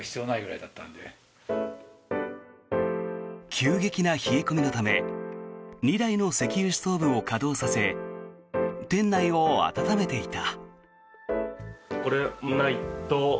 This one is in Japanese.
急激な冷え込みのため２台の石油ストーブを稼働させ店内を暖めていた。